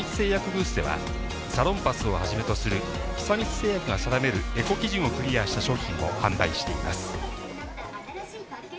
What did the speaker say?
ブースでは、サロンパスをはじめとする、久光製薬が定めるエコ基準をクリアした商品も販売しています。